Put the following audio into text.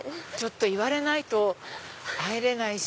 言われないと入れないし。